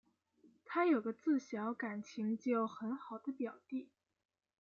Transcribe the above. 她有个自小感情就很好的表弟